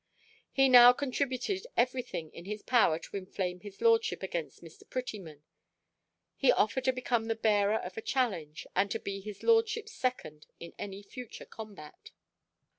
He now contributed every thing in his power to inflame his lordship against Mr. Prettyman. He offered to become the bearer of a challenge, and to be his lordship's second in any future combat.